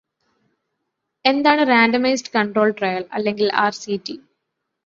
എന്താണ് “randomised control trial” അല്ലെങ്കില് ആർസിറ്റി?